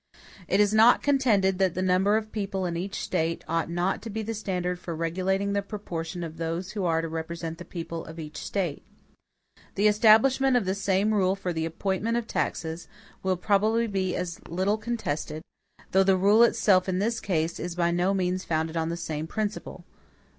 It is not contended that the number of people in each State ought not to be the standard for regulating the proportion of those who are to represent the people of each State. The establishment of the same rule for the appointment of taxes, will probably be as little contested; though the rule itself in this case, is by no means founded on the same principle.